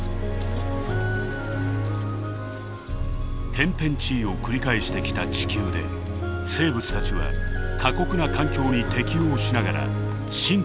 天変地異を繰り返してきた地球で生物たちは過酷な環境に適応しながら進化を続けているのです。